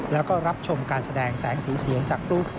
แล้วก็รับชมการแสดงแสงสีเสียงจากกรุ๊ป